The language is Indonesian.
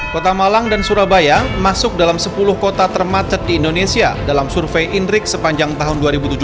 kota malang dan surabaya masuk dalam sepuluh kota termacet di indonesia dalam survei inrik sepanjang tahun dua ribu tujuh belas